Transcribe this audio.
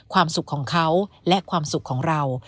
ความสุขของเขาและความสุขของเรา